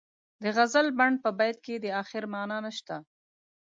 د غزلبڼ په بیت کې د اخر معنا نشته.